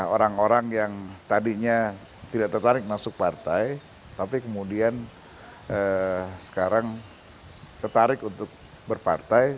orang orang yang tadinya tidak tertarik masuk partai tapi kemudian sekarang tertarik untuk berpartai